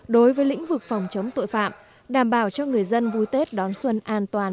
đối với lĩnh vực phòng chống tội phạm đảm bảo cho người dân vui tết đón xuân an toàn